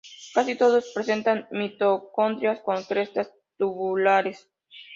Casi todos presentan mitocondrias con crestas tubulares.